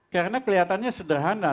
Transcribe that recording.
karena kelihatannya sederhana